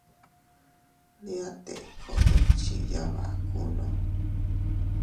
Nñia Teko dukchi yabakunno.